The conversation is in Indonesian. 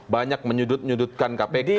banyak menyudut nyudutkan kpk